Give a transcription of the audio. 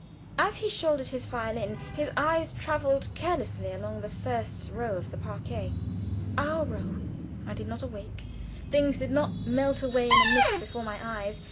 As he shouldered his violin his eyes traveled carelessly along the first row of the parquet our row. I did not awake; things did not melt away in a mist before my eyes.